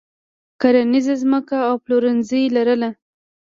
کرنیزه ځمکه او پلورنځي لرل.